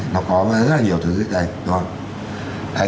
nó có rất là nhiều thứ như thế này